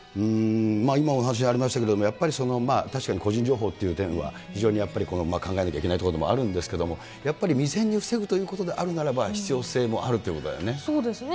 今、お話にありましたけれども、やっぱり確かに個人情報という点は、非常にやっぱりここは考えなきゃいけないっていうこともあるんですけれども、やっぱり未然に防ぐということであるならば、そうですね。